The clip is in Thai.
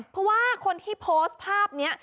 เพราะว่าคนที่โพสต์ภาพนี้